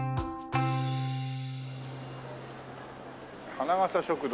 「花笠食堂」